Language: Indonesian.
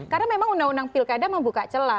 karena memang undang undang pilkada membuka celah